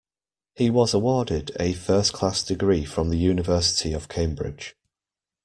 He was awarded a first-class degree from the University of Cambridge